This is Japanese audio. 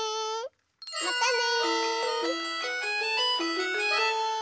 またね！